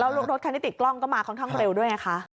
แล้วรถคันที่ติดกล้องก็มาค่อนข้างเร็วด้วยไงคะ